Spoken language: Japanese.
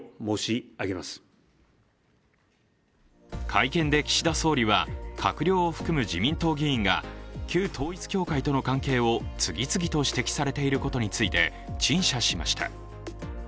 会見で岸田総理は閣僚を含む自民党議員が旧統一教会との関係を次々と指摘されていることについて、陳謝しました。